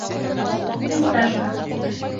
Фисташка.